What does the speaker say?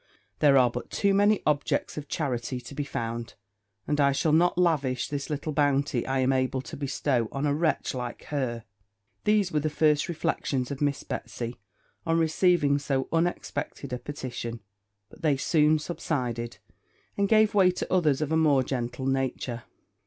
there are but too many objects of charity to be found; and I shall not lavish the little bounty I am able to bestow, on a wretch like her!' These were the first reflections of Miss Betsy on receiving so unexpected a petition; but they soon subsided, and gave way to others of a more gentle nature.